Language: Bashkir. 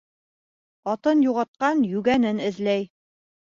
Атын юғалтҡан, йүгәнен эҙләй.